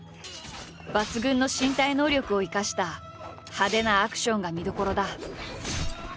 抜群の身体能力を生かした派手なアクションが見どころだ。